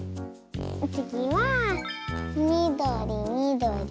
つぎはみどりみどり。